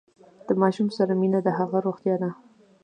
د ماشوم سره مینه د هغه روغتیا ده۔